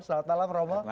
selamat malam romo